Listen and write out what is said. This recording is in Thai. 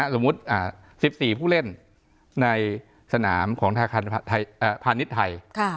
สมมุติ๑๔ผู้เล่นในสนามของธนาคารพาณิชย์ไทย